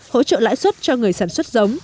hỗ trợ lãi suất cho người sản xuất giống